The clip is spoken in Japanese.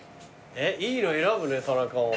えっいいの選ぶね田中も。